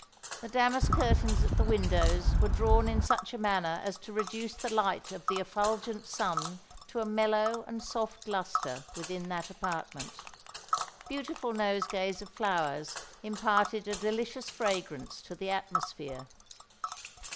The damask curtains at the windows were drawn in such a manner as to reduce the light of the effulgent sun to a mellow and soft lustre within that apartment. Beautiful nosegays of flowers imparted a delicious fragrance to the atmosphere.